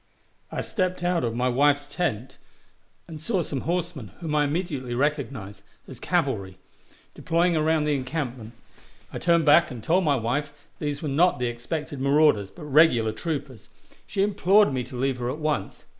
I stepped out of my wife's tent and saw some horsemen, whom I immediately recognized as cavalry, deploying around the encampment. I turned back and told my wife these were not the expected marauders, but regular troopers. She implored me to leave her at once.